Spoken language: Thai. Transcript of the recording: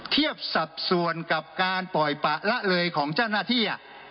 สัดส่วนกับการปล่อยปะละเลยของเจ้าหน้าที่